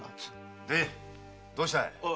でどうした？